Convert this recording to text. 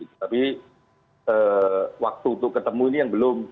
tapi waktu untuk ketemu ini yang belum